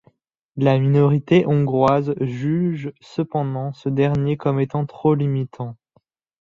La minorité Hongroise juge cependant ce dernier comme étant trop limitant.